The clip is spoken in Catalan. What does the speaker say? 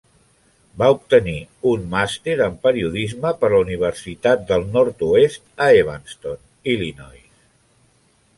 Va obtenir un màster en periodisme per la Universitat del Nord-oest a Evanston, Illinois.